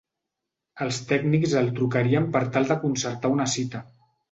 Els tècnics el trucarien per tal de concertar una cita.